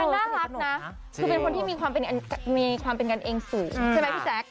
น่ารักนะคือเป็นคนที่มีความเป็นกันเองสูงใช่ไหมพี่แจ๊ค